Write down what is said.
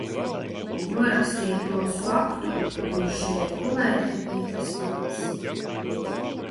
Norakstīju to uz faktu, ka bijušajai kolēģei bija tas pats.